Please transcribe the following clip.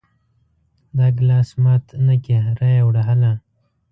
دا ګلاس مات نه کې را یې وړه هله!